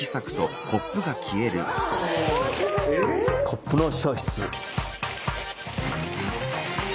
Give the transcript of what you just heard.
コップの消失。